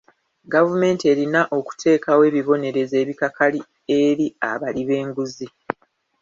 Gavumenti erina okuteekawo ebibonerezo ebikakali eri abali b'enguzi